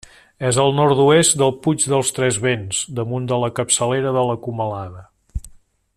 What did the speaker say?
És al nord-oest del Puig dels Tres Vents, damunt de la capçalera de la Comalada.